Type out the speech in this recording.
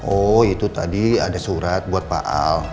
oh itu tadi ada surat buat pak al